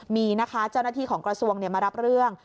มีนะคะเจ้าหน้าที่ของกระทรวงมารับเรื่อง